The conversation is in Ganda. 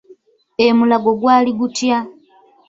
E Mulago gwali gutya?